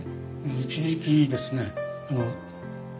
一時期ですね娘